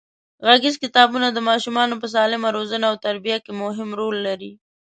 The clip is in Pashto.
غږیز کتابونه د ماشومانو په سالمه روزنه او تربیه کې مهم رول لري.